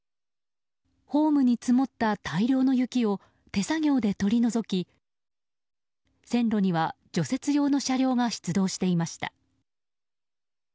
ホームに積もった大量の雪を手作業で取り除き線路には除雪用の車両が出動していました。